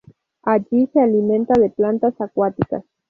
Allí se alimenta de plantas acuáticas.